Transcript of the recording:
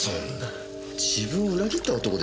自分を裏切った男ですよ？